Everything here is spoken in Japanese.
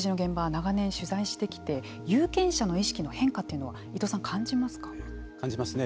長年取材してきて有権者の意識の変化は伊藤さんは感じますか。